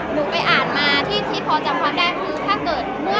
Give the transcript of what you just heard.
หนูไปอ่านมาพอจำความแดง